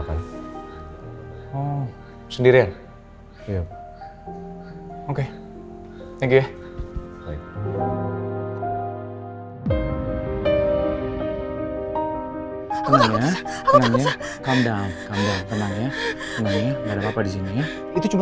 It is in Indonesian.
kalau kondisi andin masih tetep kayak ini ya